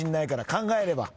考えれば。